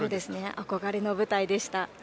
憧れの舞台でした。